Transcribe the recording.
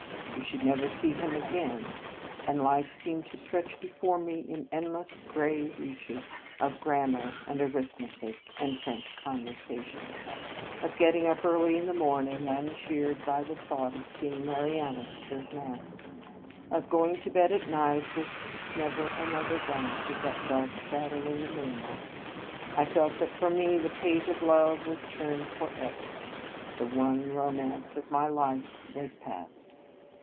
We should never see him again; and life seemed to stretch be fore me in endless grey reaches of 34 Marianus grammar, and arithmetic, and French conversation ; of getting up early in the morning, uncheered by the thought of seeing Marianus serve Mass; of going to bed at night, with never another glance at that dark shadow in the moonlight. I felt that for me the page of love was turned forever, the one romance of my life was past.